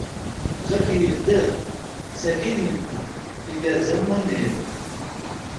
Jack yegdeh, sakin yenna: Igerrez a Munir.